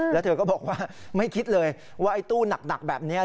แล้วเธอก็บอกว่าไม่คิดเลยว่าไอ้ตู้หนักแบบนี้